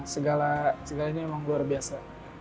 segala celahnya memang luar biasa